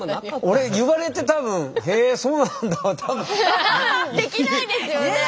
俺言われて多分「へそうなんだ」は多分。多分できないですよねえ。